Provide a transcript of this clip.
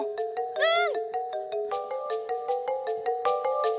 うん！